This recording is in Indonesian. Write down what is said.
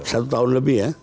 satu tahun lebih ya